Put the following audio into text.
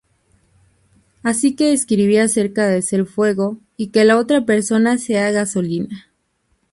Así que escribí acerca de ser fuego y que la otra persona sea gasolina.